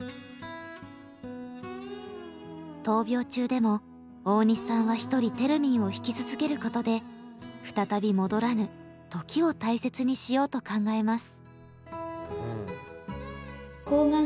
闘病中でも大西さんはひとりテルミンを弾き続けることで再び戻らぬ時を大切にしようと考えます。